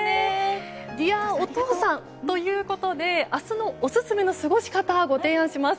Ｄｅａｒお父さんということで明日のオススメの過ごし方をご提案します。